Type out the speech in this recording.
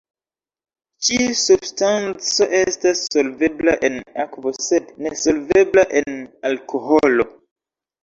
Ĉi-substanco estas solvebla en akvo sed nesolvebla en alkoholo.